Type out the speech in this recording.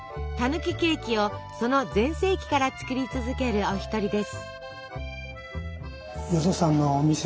たぬきケーキをその全盛期から作り続けるお一人です。